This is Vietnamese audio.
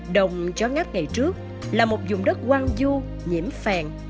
đồng chó ngáp ngày trước là một dùng đất quang du nhiễm phèn